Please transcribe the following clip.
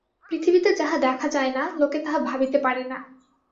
পৃথিবীতে যাহা দেখা যায় না, লোকে তাহা ভাবিতে পারে না।